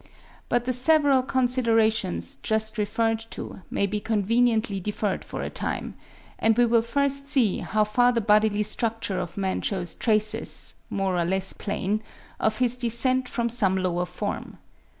But the several considerations just referred to may be conveniently deferred for a time: and we will first see how far the bodily structure of man shews traces, more or less plain, of his descent from some lower form.